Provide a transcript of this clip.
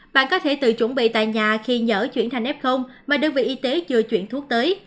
bạn có thể tự chuẩn bị tại nhà khi nhỡ chuyển thành f mà đơn vị y tế chưa chuyển thuốc tới